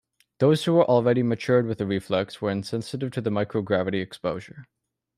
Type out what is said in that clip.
Those who were already matured with the reflex were insensitive to the microgravity exposure.